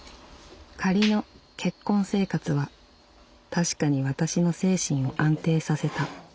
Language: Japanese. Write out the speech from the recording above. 「仮の『結婚』生活は確かに私の精神を安定させた」。